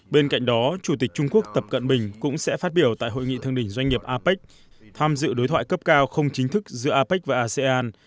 bên cạnh đó chủ tịch trung quốc tập cận bình cũng sẽ phát biểu tại hội nghị thương đỉnh doanh nghiệp apec tham dự đối thoại cấp cao không chính thức giữa apec và asean